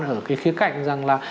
ở cái khía cạnh rằng là